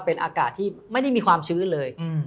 เป็นอากาศที่ไม่ได้มีความชื้นเลย